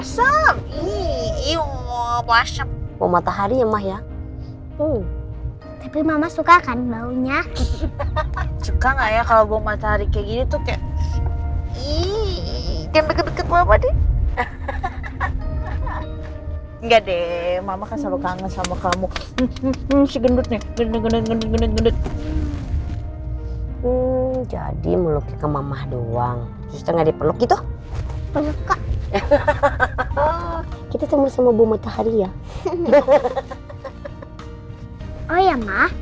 sampai jumpa di video selanjutnya